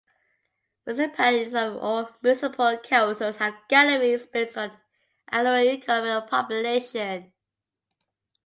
Municipalities or Municipal Councils have categories based on their annual income and population.